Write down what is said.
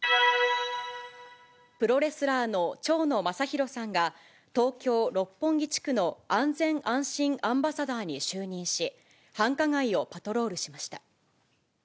プロレスラーの蝶野正洋さんが東京・六本木地区の安全安心アンバサダーに就任し、繁華街をパトロールしました。